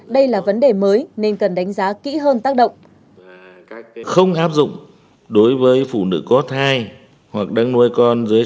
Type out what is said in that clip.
đây là vấn đề mới nên cần đánh giá kỹ hơn tác động